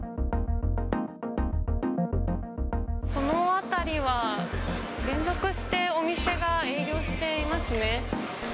この辺りは連続してお店が営業していますね。